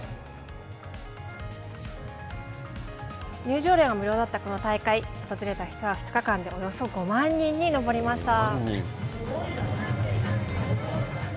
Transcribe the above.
入場料が無料だったこの大会訪れた人は２日間でおよそ５万人に上りました。